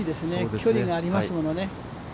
距離がありますものね。